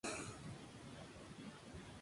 Se hizo moderadamente bien en Chile.